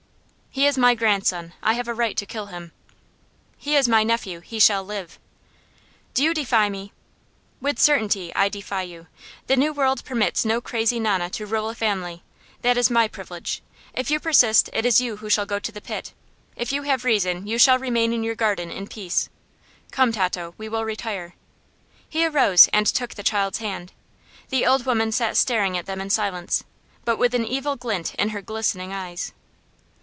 "He is my grandson. I have a right to kill him." "He is my nephew. He shall live." "Do you defy me?" "With certainty. I defy you. The new world permits no crazy nonna to rule a family. That is my privilege. If you persist, it is you who shall go to the pit. If you have reason, you shall remain in your garden in peace. Come, Tato; we will retire." He arose and took the child's hand. The old woman sat staring at them in silence, but with an evil glint in her glistening eyes.